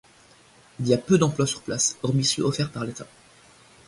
Il y a peu d'emploi sur place, hormis ceux offerts par l'État.